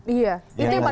iya itu yang paling menarik